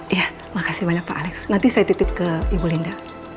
ya makasih banyak pak alex nanti saya titip ke ibu linda